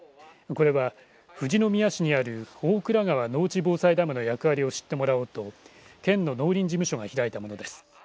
これは富士宮市にある大倉川農地防災ダムの役割を知ってもらおうと県の農林事務所が開いたものです。